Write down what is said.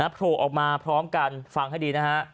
โผล่ออกมาพร้อมกันฟังให้ดีนะฮะ